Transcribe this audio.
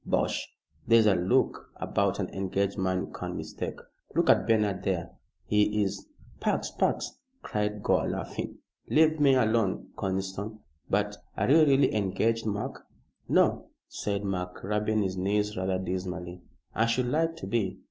"Bosh! There's a look about an engaged man you can't mistake. Look at Bernard there. He is " "Pax! Pax!" cried Gore, laughing. "Leave me alone, Conniston. But are you really engaged, Mark?" "No," said Mark, rubbing his knees rather dismally. "I should like to be.